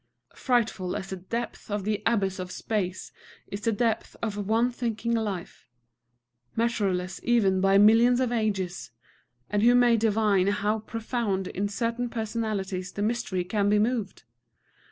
Frightful as the depth of the abyss of Space is the depth of one thinking life, measureless even by millions of ages; and who may divine how profoundly in certain personalities the mystery can be moved.